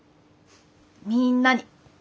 みんなに。